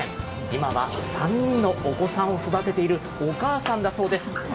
今は３人のお子さんを育てているお母さんだそうです。